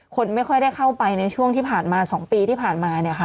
คนไม่ค่อยได้เข้าไปในช่วงที่ผ่านมา๒ปีที่ผ่านมาเนี่ยค่ะ